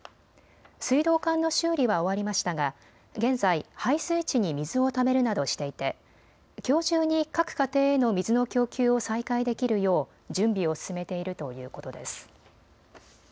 水道管の修理は終わりましたが現在、配水池に水をためるなどしていてきょう中に各家庭への水の供給を再開できるよう準備を進めているということです。